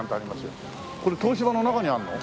これ東芝の中にあるの？